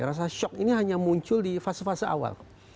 rasa shock ini hanya muncul di fase fase awal